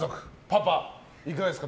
パパ、いかがですか？